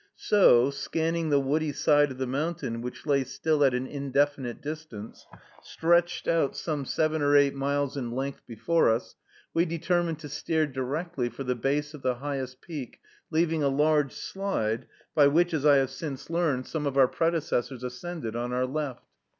So, scanning the woody side of the mountain, which lay still at an indefinite distance, stretched out some seven or eight miles in length before us, we determined to steer directly for the base of the highest peak, leaving a large slide, by which, as I have since learned, some of our predecessors ascended, on our left.